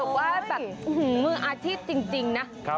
ยิ่งรวดลายกันแบบว่ามืออาชีพจริงนะ